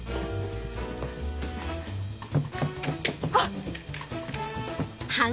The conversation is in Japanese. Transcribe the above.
あっ！